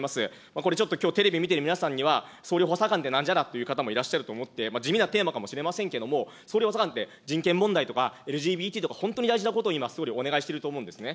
これちょっときょう、テレビ見てる皆さんには、総理補佐官ってなんじゃらという方もいらっしゃると思って、地味なテーマかもしれませんけれども、総理補佐官って、人権問題とかＬＧＢＴとか、本当に大事なことを今、総理にお願いしてると思うんですね。